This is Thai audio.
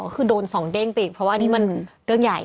คือโดนสองเด้งไปอีกเพราะว่าอันนี้มันเรื่องใหญ่